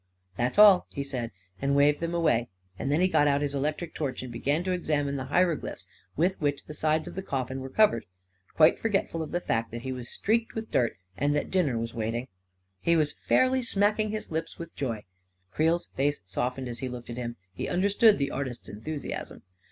" That's all," he said, and waved them away, and then he got out his electric torch and began to ex 296 A KING IN BABYLON amine the hieroglyphics with which the sides of the coffin were covered, quite forgetful of the fact that he was streaked with dirt and that dinner was wait ing. He was fairly smacking his lips with joy. Creel's face softened as he looked at him — he un derstood the artist's enthusiasm.